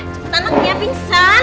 cepetan maks ya pingsan